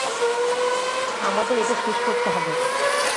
আমাদের এটা শেষ করতে হবে।